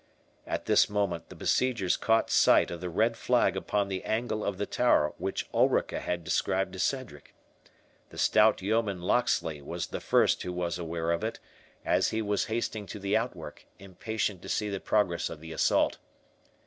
At this moment the besiegers caught sight of the red flag upon the angle of the tower which Ulrica had described to Cedric. The stout yeoman Locksley was the first who was aware of it, as he was hasting to the outwork, impatient to see the progress of the assault.